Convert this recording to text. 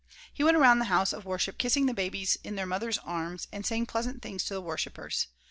He went around the house of worship kissing babies in their mothers' arms and saying pleasant things to the worshipers.